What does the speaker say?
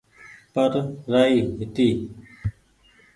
پر رآئي هيتي